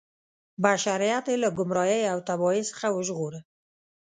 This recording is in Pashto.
بشریت یې له ګمراهۍ او تباهۍ څخه وژغوره.